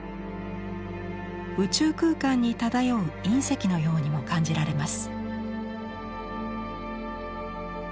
宇宙空間に漂う隕石のようにも感じられます。